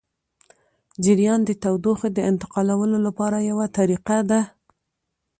جریان د تودوخې د انتقالولو لپاره یوه طریقه ده.